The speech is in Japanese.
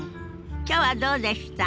きょうはどうでした？